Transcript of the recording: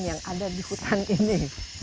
yang ada di hutan ini